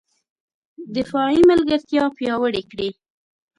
دفاعي ملګرتیا پیاوړې کړي